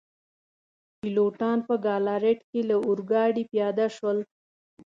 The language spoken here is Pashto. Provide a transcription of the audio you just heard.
پیلوټان په ګالاریټ کي له اورګاډي پیاده شول.